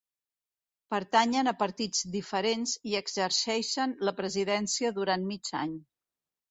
Pertanyen a partits diferents i exerceixen la presidència durant mig any.